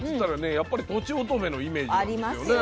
やっぱりとちおとめのイメージがあるんですよね。